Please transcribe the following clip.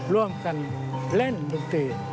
ร่วมกันเล่นดนตรี